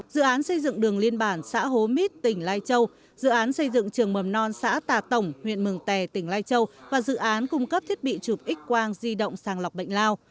dự án xây dựng đường liên bản xã hố mít tỉnh lai châu dự án xây dựng trường mầm non xã tà tổng huyện mừng tè tỉnh lai châu và dự án cung cấp thiết bị chụp x quang di động sàng lọc bệnh lao